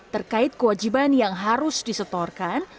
terkait kewajiban yang harus disetorkan